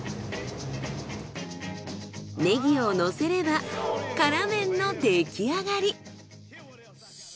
ネギをのせれば辛麺の出来上がり！